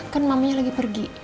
kan mamanya lagi pergi